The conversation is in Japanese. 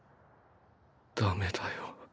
ダメだよ